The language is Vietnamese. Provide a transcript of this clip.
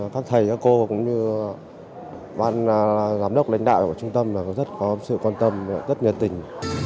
các thầy các cô cũng như ban giám đốc lãnh đạo của trung tâm rất có sự quan tâm rất nhiệt tình